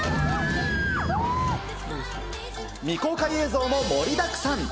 未公開映像も盛りだくさん。